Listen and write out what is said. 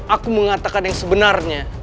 aku mengatakan yang sebenarnya